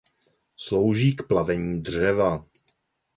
Slouží k plavení dřeva.